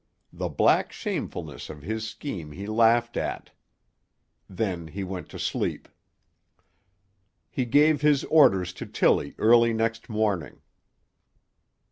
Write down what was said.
The black shamefulness of his scheme he laughed at. Then he went to sleep. He gave his orders to Tillie early next morning.